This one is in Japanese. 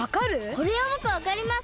これはぼくわかります！